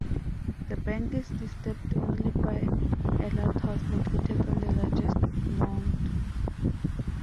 The bank is disturbed only by a lighthouse located on the largest mound.